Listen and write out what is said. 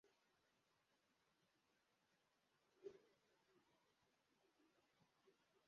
Umubyeyi n'umukobwa we bishimira impano zabo za Noheri